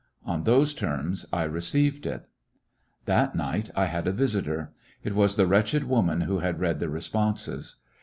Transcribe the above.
On those terms I received it. That night I had a visitor. It was the wretched woman who had read the responses.